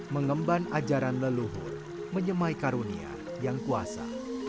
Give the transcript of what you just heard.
mengemban ajaran leluhur menyemai karunia yang kuasa